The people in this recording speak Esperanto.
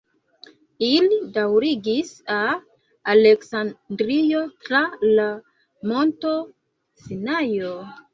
Ili daŭrigis al Aleksandrio tra la Monto Sinajo.